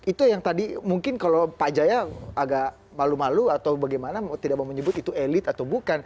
itu yang tadi mungkin kalau pak jaya agak malu malu atau bagaimana tidak mau menyebut itu elit atau bukan